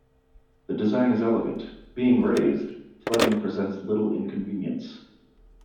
The design is elegant: being raised, flooding presents little inconvenience.